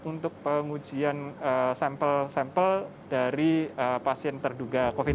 untuk pengujian sampel sampel dari pasien terduga covid sembilan belas